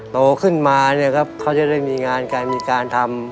โตขึ้นมาเนี่ยครับเขาจะได้มีงานการมีการทำ